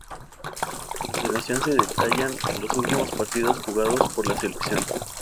A continuación se detallan los últimos partidos jugados por la selección.